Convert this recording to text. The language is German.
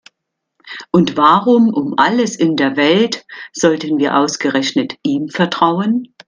Und warum um alles in der Welt sollten wir ausgerechnet ihm vertrauen?